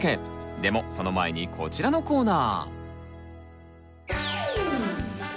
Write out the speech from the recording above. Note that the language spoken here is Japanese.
でもその前にこちらのコーナー！